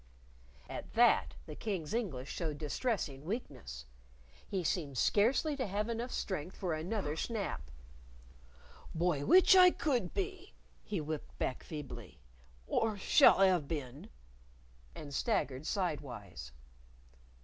At that, the King's English showed distressing weakness. He seemed scarcely to have enough strength for another snap. "By w'ich I could be!" he whipped back feebly; "or shall 'ave been!" And staggered sidewise.